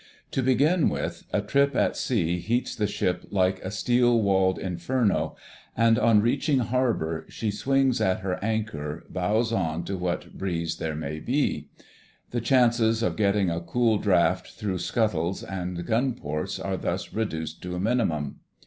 To begin with, a trip at sea heats the ship like a steel walled Inferno, and on reaching harbour she swings at her anchor, bows on to what breeze there may be; the chances of getting a cool draught through scuttles and gun ports are thus reduced to a minimum.